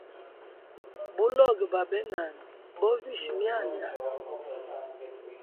Buloge bwa benami, bovisha mianda.